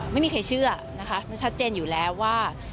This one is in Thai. ไม่มีใครเชื่อนะคะมันชัดเจนอยู่แล้วว่า